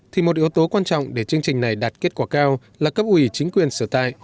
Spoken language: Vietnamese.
thì một yếu tố quan trọng để chương trình này đạt kết quả cao là cấp ủy chính quyền sở tại